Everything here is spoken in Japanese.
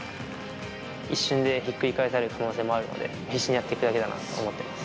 一瞬でひっくり返される可能性もあるので、必死にやっていくだけだなと思ってます。